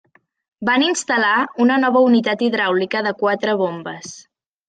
Van instal·lar una nova unitat hidràulica de quatre bombes.